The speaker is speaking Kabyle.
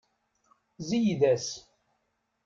Zeyyed-as.